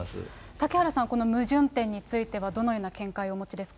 嵩原さん、この矛盾点についてはどのような見解をお持ちです